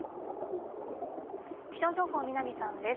気象情報、南さんです。